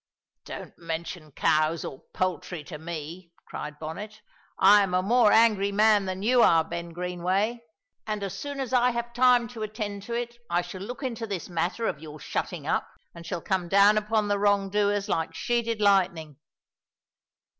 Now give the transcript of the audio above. "Don't mention cows or poultry to me!" cried Bonnet. "I am a more angry man than you are, Ben Greenway, and as soon as I have time to attend to it, I shall look into this matter of your shutting up, and shall come down upon the wrongdoers like sheeted lightning."